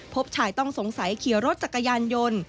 พบชายต้องสงสัยขี่รถจักรยานยนต์